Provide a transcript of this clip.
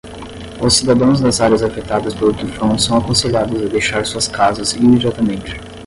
Os cidadãos das áreas afetadas pelo tufão são aconselhados a deixar suas casas imediatamente.